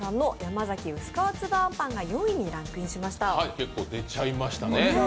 結構出ちゃいましたね。